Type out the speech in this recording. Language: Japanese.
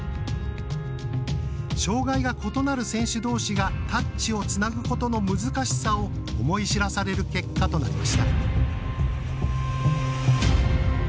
障がいが異なる選手どうしがタッチをつなぐことの難しさを思い知らされる結果となりました。